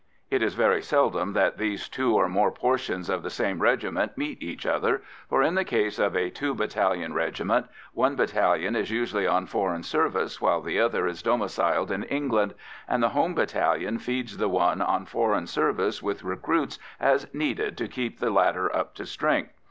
It is very seldom that these two or more portions of the same regiment meet each other, for, in the case of a two battalion regiment, one battalion is usually on foreign service while the other is domiciled in England, and the home battalion feeds the one on foreign service with recruits as needed to keep the latter up to strength.